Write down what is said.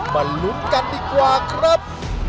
มาลุ้นกันดีกว่าครับ